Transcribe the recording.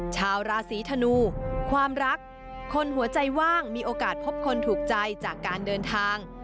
ชาวราศีธนูความรักคนหัวใจว่างมีโอกาสพบคนถูกใจจากการเดินทาง